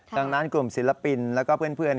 ดังนั้นกลุ่มศิลปินแล้วก็เพื่อน